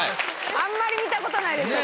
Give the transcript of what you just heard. あんまり見たことないですよ